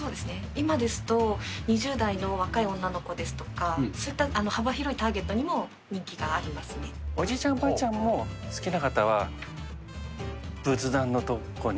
今ですと、２０代の若い女の子ですとか、そういった幅広いターゲットにもおじいちゃんおばあちゃんも好きな方は、仏壇の所に。